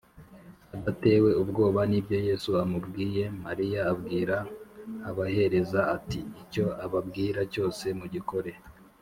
Adatewe ubwoba n’ibyoYesu amubwiye, Mariya abwira abahereza ati, ” Icyo ababwira cyose mugikore.